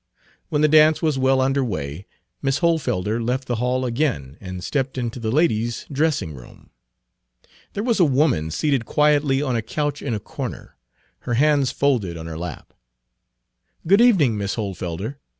When the dance was well under way Miss Hohlfelder left the hall again and stepped into the ladies' dressing room. There was a woman seated quietly on a couch in a corner, her hands folded on her lap. "Good evening, Miss Hohlfelder.